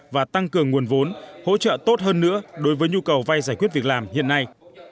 và tăng cường nguồn vốn hỗ trợ tốt hơn nữa đối với nhu cầu vay giải quyết việc làm hiện nay